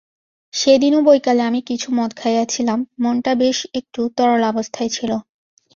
সেদিনও বৈকালে আমি কিছু মদ খাইয়াছিলাম, মনটা বেশ একটু তরলাবস্থায় ছিল।